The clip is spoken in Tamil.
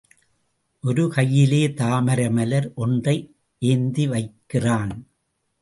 ஒரு கையிலே தாமரை மலர் ஒன்றை ஏந்த வைக்கிறான்.